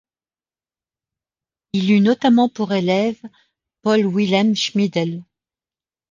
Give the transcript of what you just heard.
Il eût notamment pour élève Paul Wilhelm Schmiedel.